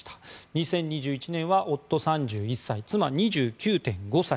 ２０２１年は夫、３１歳妻が２９．５歳。